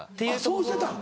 そうしてたん？